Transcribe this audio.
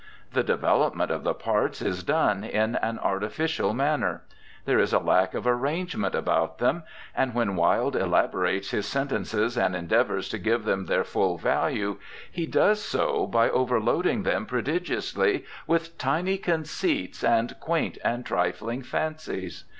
The development of the parts is done in an artificial manner; there is a lack of arrangement about them, and when Wilde elaborates his sentences and endeavours to give them their full value, he does so by overloading them prodigiously with tiny conceits and quaint and trifling fancies.